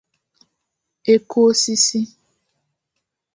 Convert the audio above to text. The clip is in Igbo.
eku osisi